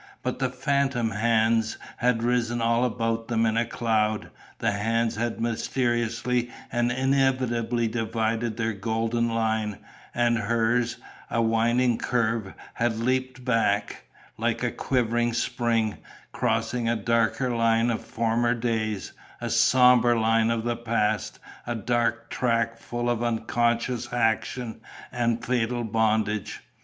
But the phantom hands had risen all about them in a cloud, the hands had mysteriously and inevitably divided their golden line; and hers, a winding curve, had leapt back, like a quivering spring, crossing a darker line of former days, a sombre line of the past, a dark track full of unconscious action and fatal bondage.